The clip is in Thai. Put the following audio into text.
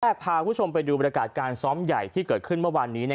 และพาคุณผู้ชมไปดูบริการการส้อมใหญ่ที่เกิดขึ้นมาวันนี้